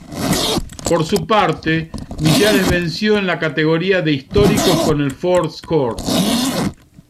Por su parte Millares venció en la categoría de históricos con el Ford Escort.